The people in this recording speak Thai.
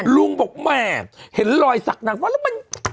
ลุงบอกแม่เห็นรอยศักดิ์นางฟ้าแล้วมัน